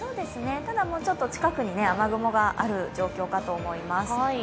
ただちょっと近くに雨雲がある状況かと思います。